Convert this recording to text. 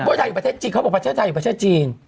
ไทยอยู่ประเทศจีนเขาบอกประเทศไทยอยู่ประเทศจีน